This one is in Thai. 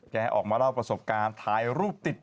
ออกมาเล่าประสบการณ์ถ่ายรูปติด